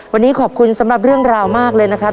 วันนี้ขอบคุณสำหรับเรื่องราวมากเลยนะครับ